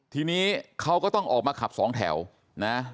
ทีนี้เขาก็ต้องออกมาขับสองแถวนะ